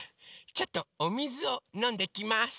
ちょっとおみずをのんできます。